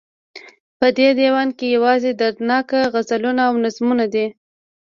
په دې ديوان کې يوازې دردناک غزلونه او نظمونه دي